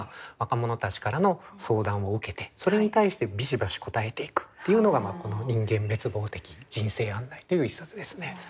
若者たちからの相談を受けてそれに対してビシバシ答えていくというのがこの「人間滅亡的人生案内」という一冊ですね。